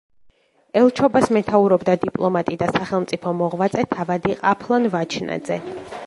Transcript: ელჩობას მეთაურობდა დიპლომატი და სახელმწიფო მოღვაწე თავადი ყაფლან ვაჩნაძე.